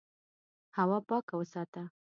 هوا پاکه وساته.